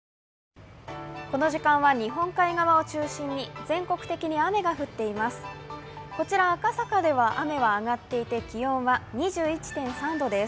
この時間は日本海側を中心に全国的に雨が降っています。